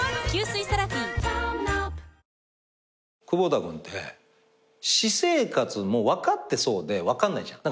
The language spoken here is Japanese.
窪田君って私生活も分かってそうで分かんないじゃん。